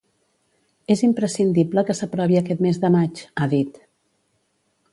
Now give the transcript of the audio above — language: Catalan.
És imprescindible que s’aprovi aquest mes de maig, ha dit.